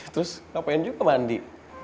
terus gak pengen juga mandi